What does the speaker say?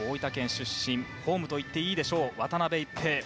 出身、ホームといっていいでしょう渡辺一平。